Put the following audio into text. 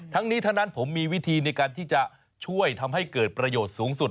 ทั้งนี้ทั้งนั้นผมมีวิธีในการที่จะช่วยทำให้เกิดประโยชน์สูงสุด